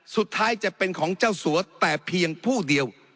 สุดท้ายจะเป็นของเจ้าสัวแต่เพียงผู้เดียว